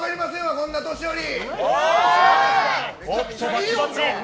こんな年寄り。